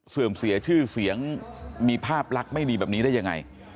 เสื่อมเสียชื่อเสียงมีภาพลักษณ์ไม่ดีแบบนี้ได้ยังไง